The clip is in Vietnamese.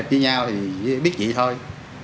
mà hẹp với nhau thì biết gì thôi